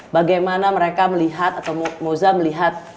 bagaimana mereka melihat atau moza melihat